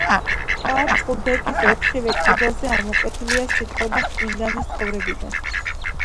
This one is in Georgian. კვარცხლბეკის ოთხივე კედელზე ამოკვეთილია სიტყვები წმინდანის ცხოვრებიდან.